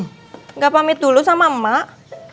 nggak pamit dulu sama mak